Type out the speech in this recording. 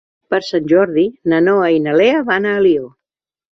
Per Sant Jordi na Noa i na Lea van a Alió.